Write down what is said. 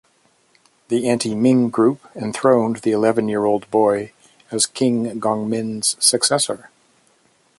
The anti-Ming group enthroned the eleven-year-old boy, as King Gongmin's successor.